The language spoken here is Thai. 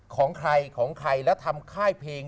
ของใครของใครแล้วทำค่ายเพลง